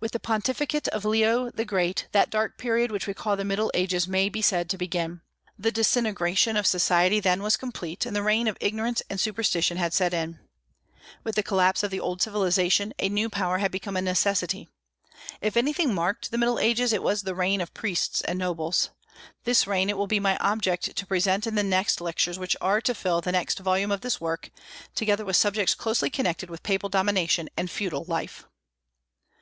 With the Pontificate of Leo the Great that dark period which we call the "Middle Ages" may be said to begin. The disintegration of society then was complete, and the reign of ignorance and superstition had set in. With the collapse of the old civilization a new power had become a necessity. If anything marked the Middle Ages it was the reign of priests and nobles. This reign it will be my object to present in the Lectures which are to fill the next volume of this Work, together with subjects closely connected with papal domination and feudal life.